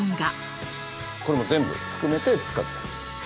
これも全部含めて使う。